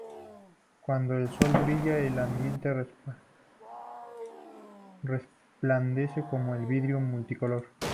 Cuando el sol brilla, el ambiente resplandece como un vidrio multicolor.